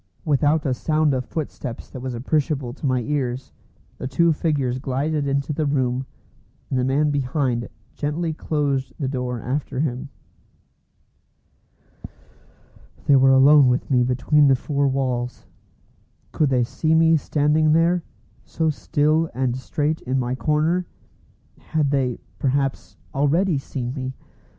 Without a sound of footsteps that was appreciable to my ears, the two figures glided into the room, and the man behind gently closed the door after him. They were alone with me between the four walls. Could they see me standing there, so still and straight in my corner? Had they, perhaps, already seen me?